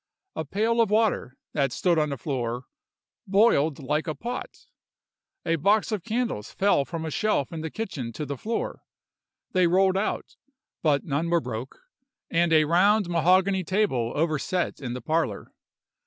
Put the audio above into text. A pail of water, that stood on the floor, boiled like a pot! A box of candles fell from a shelf in the kitchen to the floor; they rolled out, but none were broke: and a round mahogany table overset in the parlor.